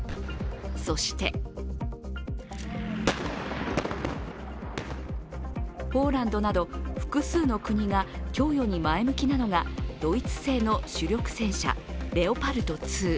そしてポーランドなど複数の国が供与に前向きなのがドイツ製の主力戦車レオパルト２。